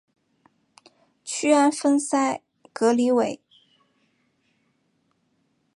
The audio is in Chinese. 屈安丰塞格里韦。